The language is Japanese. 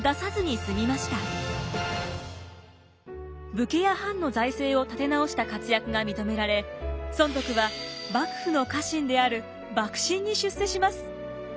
武家や藩の財政を立て直した活躍が認められ尊徳は幕府の家臣である幕臣に出世します。